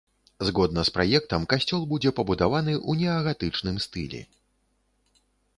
Згодна з праектам, касцёл будзе пабудаваны ў неагатычным стылі.